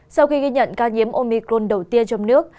sau khi ghi nhận ca nhiễm omicron đầu tiên trong nước